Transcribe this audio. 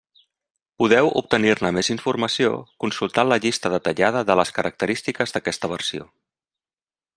Podeu obtenir-ne més informació consultant la llista detallada de les característiques d'aquesta versió.